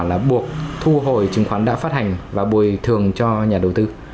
là buộc thu hồi chứng khoán đã phát hành và bồi thường cho nhà đầu tư